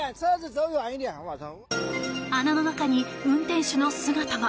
穴の中に運転手の姿が。